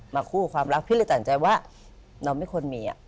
มาคู่ความรักพี่เลยจัดใจว่าเราไม่ควรมีอะ